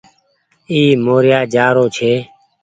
اي موريآ جآ رو ڇي۔